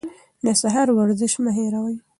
د سهار ورزش مه هېروئ.